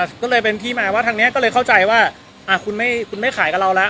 ก็เลยเป็นที่มาว่าทางนี้ก็เลยเข้าใจว่าคุณไม่คุณไม่ขายกับเราแล้ว